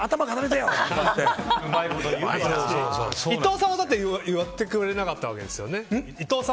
伊藤さんは言ってくれなかったわけですよね。